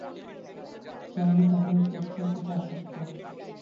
জননী তথাপি পুত্রের প্রতি আসক্ত।